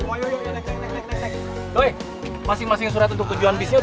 ayolah sembunyi dalam hal ter campit dart